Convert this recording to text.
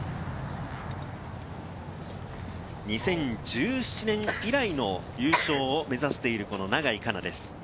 ２０１７年以来の優勝を目指している永井花奈です。